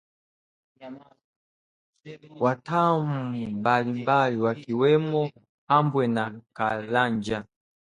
Wataaam mbalimbali wakiwemo Habwe na Karanja